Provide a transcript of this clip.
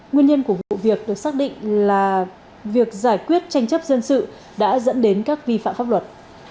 nguyên nhân của vụ việc được xác định là việc giải quyết tranh chấp dân sự đã dẫn đến các vi phạm pháp luật